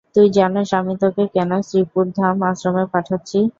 তুই জানোস আমি তোকে কেন শ্রীপুরধাম আশ্রমে পাঠাচ্ছি?